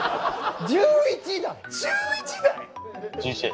１１台？